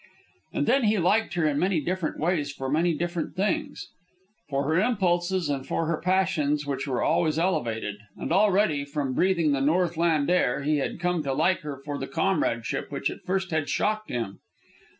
And then he liked her in many different ways for many different things. For her impulses, and for her passions which were always elevated. And already, from breathing the Northland air, he had come to like her for that comradeship which at first had shocked him.